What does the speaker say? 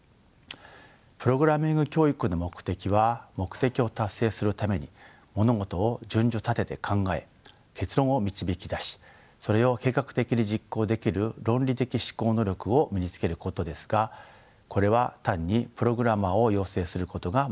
プログラミング教育の目的は目的を達成するために物事を順序立てて考え結論を導き出しそれを計画的に実行できる論理的思考能力を身につけることですがこれは単にプログラマーを養成することが目的ではありません。